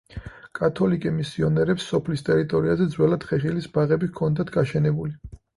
კათოლიკე მისიონერებს სოფლის ტერიტორიაზე ძველად ხეხილის ბაღები ჰქონდათ გაშენებული.